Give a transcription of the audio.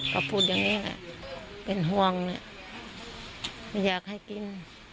ก็พูดอย่างเนี้ยเป็นห่วงมันอยากให้กิน